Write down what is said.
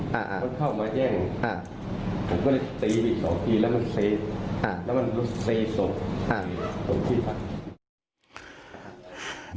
มันเข้ามาแย่งผมก็เลยตีอีก๒ทีแล้วมันตีแล้วมันตีสก